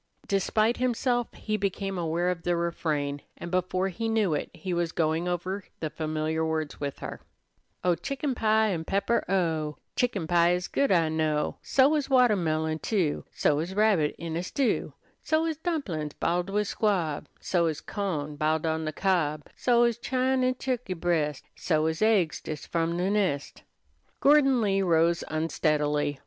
Despite himself, he became aware of the refrain, and before he knew it he was going over the familiar words with her: "Oh, chicken pie an 'pepper, oh! Chicken pie is good, I know; So is wattehmillion, too; So is rabbit in a stew; So is dumplin's, b'iled with squab; So is cawn, b'iled on de cob; So is chine an' turkey breast; So is aigs des f'om de nest." Gordon Lee rose unsteadily.